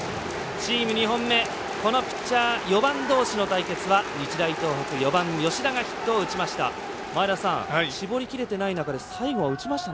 チーム２本目、このピッチャー４番どうしの対決は日大東北４番、吉田がヒットを打ちました。